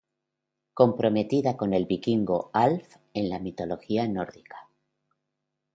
Comprometida con el vikingo Alf en la mitología nórdica.